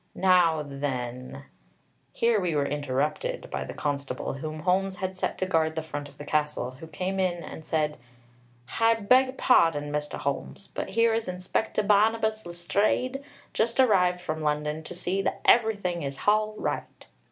Now, then " Here we were interrupted by the constable whom Holmes had set to guard the front of the castle, who came in and said: "Hi beg pahdon, Mr. 'Olmes, but here is Inspector Bahnabas Letstrayed, just arrived from London, to see that everything is hall right."